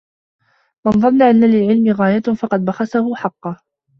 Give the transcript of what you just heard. مَنْ ظَنَّ أَنَّ لِلْعِلْمِ غَايَةً فَقَدْ بَخَسَهُ حَقَّهُ